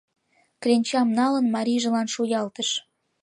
Кленчам налын, марийжылан шуялтыш.